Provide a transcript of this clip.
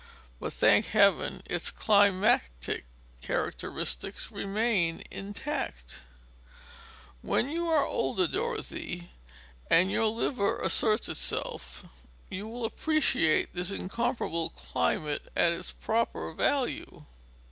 But, thank Heaven, its climatic characteristics remain intact. When you are older, Dorothy, and your liver asserts itself, you will appreciate this incomparable climate at its proper value."